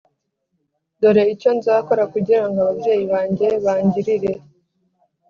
Dore icyo nzakora kugira ngo ababyeyi banjye bangirire